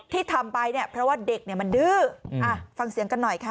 ที่ทำไปเนี่ยเพราะว่าเด็กเนี่ยมันดื้อฟังเสียงกันหน่อยค่ะ